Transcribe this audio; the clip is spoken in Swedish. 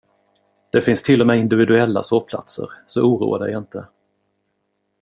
Det finns till och med individuella sovplatser, så oroa dig inte.